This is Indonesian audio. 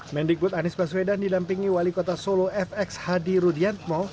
mendikbud anies baswedan didampingi wali kota solo fx hadi rudiatmo